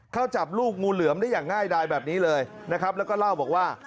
เข้าจับลูกงูเหลือมได้อย่างง่ายดายแบบนี้เลยนะครับแล้วก็เล่าบอกว่า